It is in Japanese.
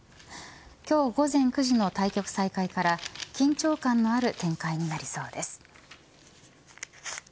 今日午前９時の対局再開から緊張感のある展開となりそうです。